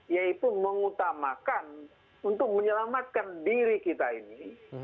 yaitu mengutamakan untuk menyelamatkan diri kita ini